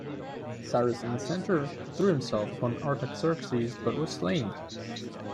Cyrus in the centre threw himself upon Artaxerxes but was slain.